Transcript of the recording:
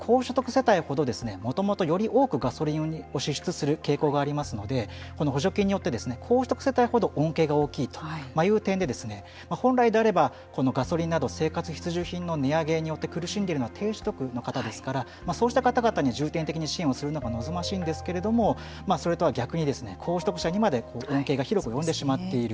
世帯ほどもともと、より多くのガソリン代を支出しますのでこの補助金によって高所得世帯ほど恩恵が大きいということで本来であればこのガソリンなど生活必需品の値上げによって低所得の方ですからそうした方々に重点的に支援をするほうが望ましいんですけれどもそれとは逆に高所得者にまで恩恵が広く及んでしまっている。